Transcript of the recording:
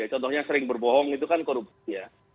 contohnya sering berbohong itu kan korupsi ya